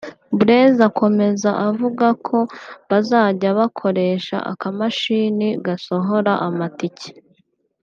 Blaise akomeza avuga ko bazjya bakoresha akamashini gasohora amatike